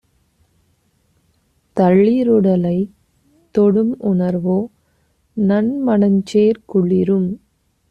தளிருடலைத் தொடும்உணர்வோ நன்மணஞ்சேர் குளிரும்!